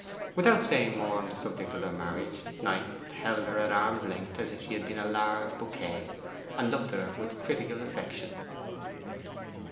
Without saying more on the subject of their marriage, Knight held her at arm's length, as if she had been a large bouquet, and looked at her with critical affection.